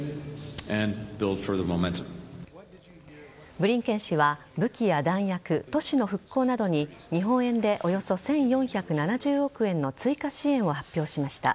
ブリンケン氏は、武器や弾薬都市の復興などに日本円でおよそ１４７０億円の追加支援を発表しました。